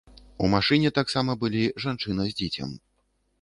У машыне таксама былі жанчына з дзіцем.